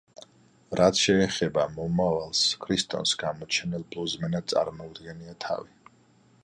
რაც შეეხება მომავალს, ქრისტონს გამოჩენილ ბლუზმენად წარმოუდგენია თავი.